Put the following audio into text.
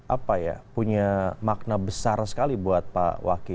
apa ya punya makna besar sekali buat pak waki